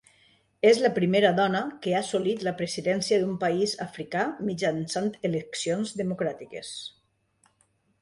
És la primera dona que ha assolit la presidència d'un país africà mitjançant eleccions democràtiques.